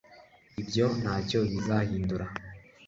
ibyo ntacyo bizahindura